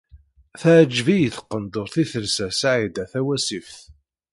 Teɛǧeb-iyi tqendurt i telsa Saɛida Tawasift.